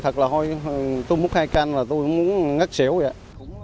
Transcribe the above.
thật là tôi múc hai can và tôi muốn ngất chéo vậy ạ